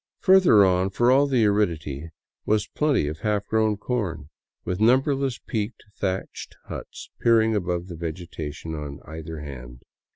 Further on, for all the aridity, was plenty of half grown corn, with numberless peaked, thatched huts peering above the vegetation on either hand.